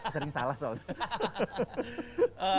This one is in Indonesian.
sering salah soalnya